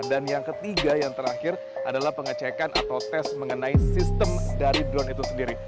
dan yang ketiga yang terakhir adalah pengecekan atau tes mengenai sistem dari drone itu sendiri